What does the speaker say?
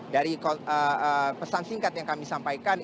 dari pesan singkat yang kami sampaikan